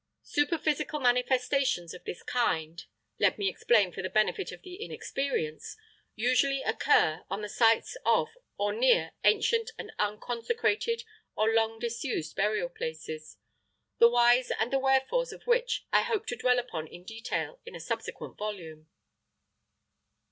Superphysical manifestations of this kind let me explain for the benefit of the inexperienced usually occur on the sites of or near ancient and unconsecrated or long disused burial places the whys and the wherefores of which I hope to dwell upon in detail in a subsequent volume.